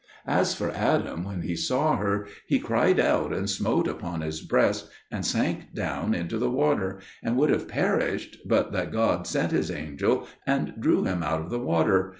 As for Adam, when he saw her, he cried out and smote upon his breast, and sank down into the water, and would have perished but that God sent His angel and drew him up out of the water.